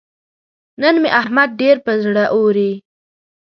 نن مې احمد ډېر پر زړه اوري.